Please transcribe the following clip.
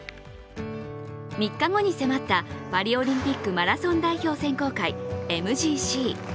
３日後に迫った、パリオリンピックマラソン代表選考会＝ＭＧＣ。